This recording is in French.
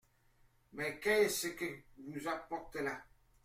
Mais qu’est-ce que vous apportez-là ?